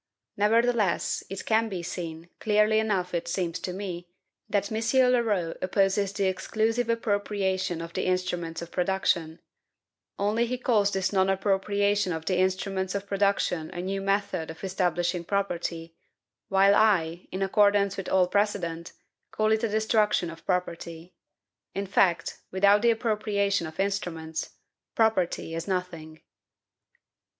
Nevertheless, it can be seen, clearly enough it seems to me, that M. Leroux opposes the exclusive appropriation of the instruments of production; only he calls this non appropriation of the instruments of production a NEW METHOD of establishing property, while I, in accordance with all precedent, call it a destruction of property. In fact, without the appropriation of instruments, property is nothing.